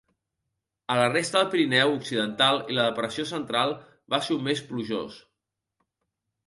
A la resta del Pirineu occidental i la depressió Central va ser un mes plujós.